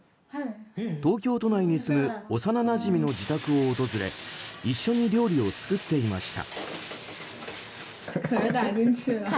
東京都内に住む幼なじみの自宅を訪れ一緒に料理を作っていました。